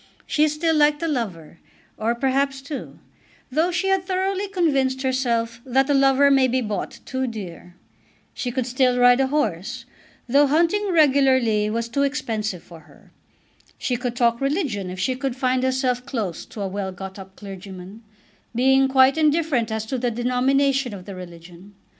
She still liked a lover, or perhaps two, though she had thoroughly convinced herself that a lover may be bought too dear. She could still ride a horse, though hunting regularly was too expensive for her. She could talk religion if she could find herself close to a well got up clergyman, being quite indifferent as to the denomination of the religion.